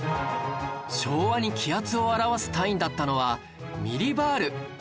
昭和に気圧を表す単位だったのはミリバール